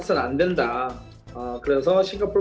dan mengatakan saya tidak boleh menang gol